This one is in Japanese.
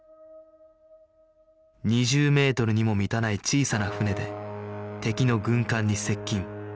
２０メートルにも満たない小さな船で敵の軍艦に接近